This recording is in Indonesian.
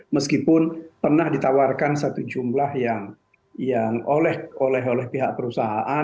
meskipun pernah ditawarkan satu jumlah yang oleh pihak perusahaan